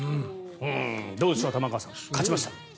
どうでしょう、玉川さん勝ちました。